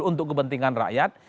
untuk kepentingan rakyat